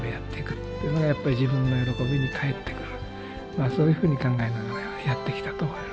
まあそういうふうに考えながらやってきたと思います。